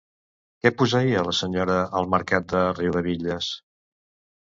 Què posseïa la senyora al mercat de Riudevitlles?